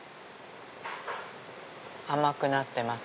甘くなってます。